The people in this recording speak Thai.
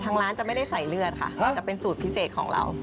ทางร้านจะไม่ได้ใส่เลือดค่ะแต่เป็นสูตรพิเศษของเรา